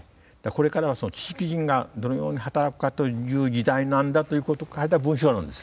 これからはその知識人がどのように働くかという時代なんだということを書いた文章なんです。